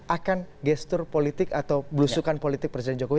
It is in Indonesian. akan gestur politik atau belusukan politik presiden jokowi